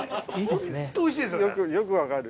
よく分かる。